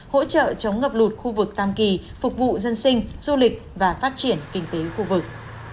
hỗ trợ chống ngập lụt khu vực tam kỳ phục vụ dân sinh du lịch và phát triển kinh tế khu vực